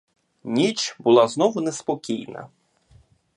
Ніч була знову неспокійна.